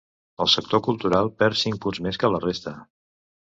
El sector cultural perd cinc punts més que la resta.